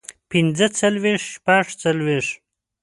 پنځۀ څلوېښت شپږ څلوېښت